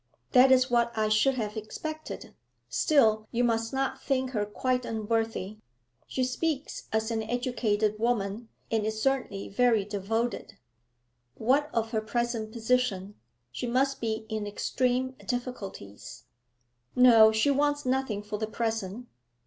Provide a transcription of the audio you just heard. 'That is what I should have expected. Still, you must not think her quite unworthy. She speaks as an educated woman, and is certainly very devoted.' 'What of her present position? She must be in extreme difficulties.' 'No, she wants nothing for the present.